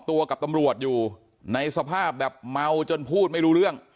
ที่เกิดเกิดเหตุอยู่หมู่๖บ้านน้ำผู้ตะมนต์ทุ่งโพนะครับที่เกิดเกิดเหตุอยู่หมู่๖บ้านน้ำผู้ตะมนต์ทุ่งโพนะครับ